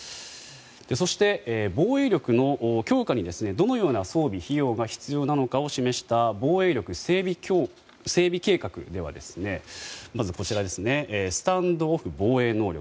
そして、防衛力の強化にどのような装備・費用が必要なのかを示した防衛力整備計画ではまず、スタンド・オフ防衛能力。